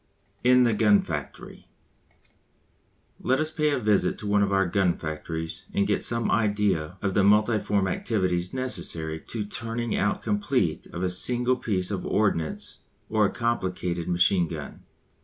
IN THE GUN FACTORY. Let us pay a visit to one of our gun factories and get some idea of the multiform activities necessary to the turning out complete of a single piece of ordnance or a complicated machine gun.